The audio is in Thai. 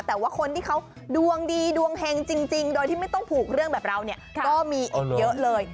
แต่ว่าคนที่เขาดวงดีดวงเฮงจริงโดยที่ไม่ต้องผูกเรื่องแบบเราเนี่ยก็มีอีกเยอะเลย